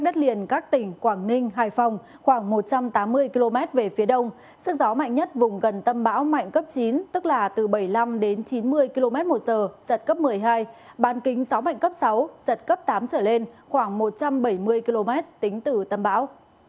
ban kính gió mạnh cấp sáu giật cấp tám trở lên khoảng một trăm bảy mươi km tính từ tâm bão